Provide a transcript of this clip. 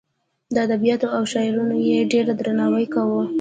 د ادبیاتو او شاعرانو یې ډېر درناوی کاوه.